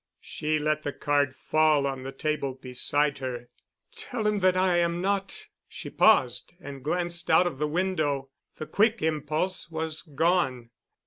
She let the card fall on the table beside her. "Tell him that I am not——" she paused and glanced out of the window. The quick impulse was gone.